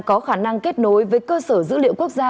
có khả năng kết nối với cơ sở dữ liệu quốc gia